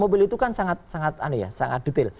mobil itu kan sangat sangat detail